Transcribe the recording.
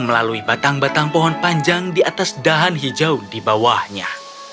melalui batang batang pohon panjang di atas dahan hijau di bawahnya